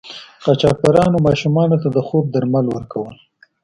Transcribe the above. قاچاقبرانو ماشومانو ته د خوب درمل ورکول.